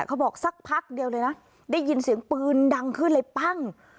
เขาบอกสักพักเดียวเลยนะได้ยินเสียงปืนดังขึ้นเลยปั้ง